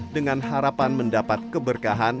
dengan harapan mendapat keberkahan